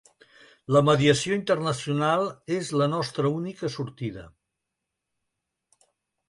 La mediació internacional és la nostra única sortida?